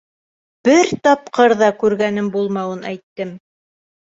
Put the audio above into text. Бер тапҡыр ҙа күргәнем булмауын әйттем.